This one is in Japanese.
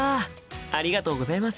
ありがとうございます。